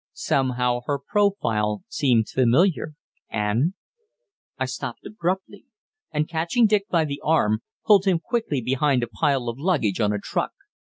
Somehow her profile seemed familiar, and I stopped abruptly, and, catching Dick by the arm, pulled him quickly behind a pile of luggage on a truck.